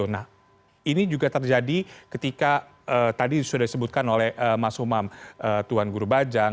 nah ini juga terjadi ketika tadi sudah disebutkan oleh mas umam tuan guru bajang